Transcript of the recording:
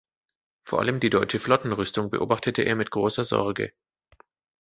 Vor allem die deutsche Flottenrüstung beobachtete er mit großer Sorge.